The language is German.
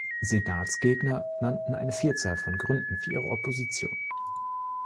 Senatsgegner nannten eine Vielzahl von Gründen für ihre Opposition.